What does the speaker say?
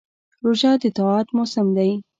روژه د طاعت موسم دی.